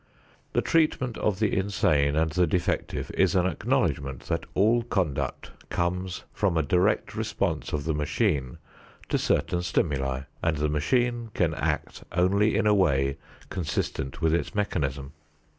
The treatment of the insane and the defective is an acknowledgment that all conduct comes from a direct response of the machine to certain stimuli and the machine can act only in a way consistent with its mechanism.